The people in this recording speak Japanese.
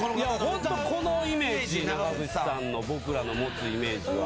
ホントこのイメージ長渕さんの僕らの持つイメージは。